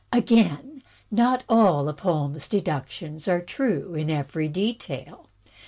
Again, not all of Holmes' deductions are true in every detail.